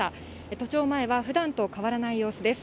都庁前はふだんと変わらない様子です。